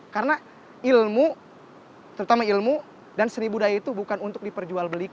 karena ilmu terutama ilmu dan seni budaya itu bukan untuk diperjualbelikan